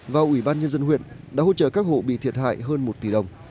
và ủy ban nhân dân huyện đã hỗ trợ các hộ bị thiệt hại hơn một tỷ đồng